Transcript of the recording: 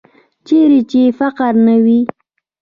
چیرې چې فقر نه وي.